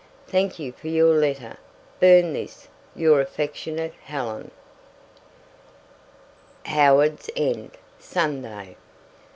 Thank you for your letter. Burn this. Your affectionate Helen HOWARDS END, SUNDAY.